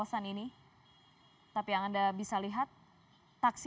ya sekali lagi ini adalah gambar saat ini di wilayah jalan gatot subroto ini